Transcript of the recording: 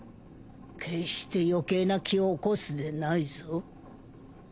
決して余計な気を起こすでないぞ。